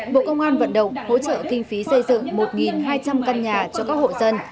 bộ công an vận động hỗ trợ kinh phí xây dựng một hai trăm linh căn nhà cho các hộ dân